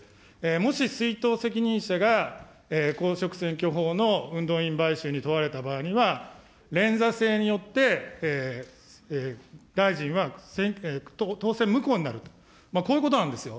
もし出納責任者が公職選挙法の運動員買収に問われた場合には、連座制によって大臣は当選無効になると、こういうことなんですよ。